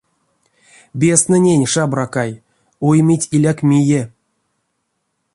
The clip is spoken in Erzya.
Бестнэнень, шабракай, ойметь иляк мие.